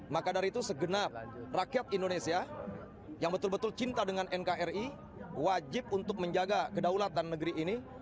maka dari itu segenap rakyat indonesia yang betul betul cinta dengan nkri wajib untuk menjaga kedaulatan negeri ini